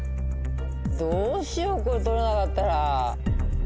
どうしようこれ取れなかったら。